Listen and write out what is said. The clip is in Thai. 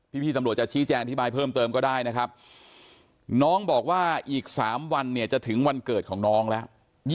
พี่ตำรวจจะชี้แจงอธิบายเพิ่มเติมก็ได้นะครับน้องบอกว่าอีก๓วันเนี่ยจะถึงวันเกิดของน้องแล้ว